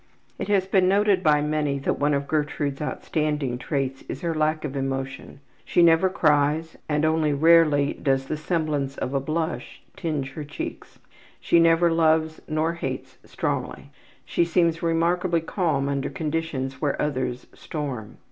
It has been noted by many that one of Gertrude's outstanding traits is her lack of emotion. She never cries and only rarely does the semblance of a blush tinge her cheeks. She neither loves nor hates strongly. She seems remarkably calm under conditions where others storm.